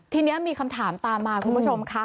ทีนี้มีคำถามตามมาคุณผู้ชมค่ะ